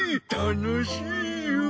楽しいよ！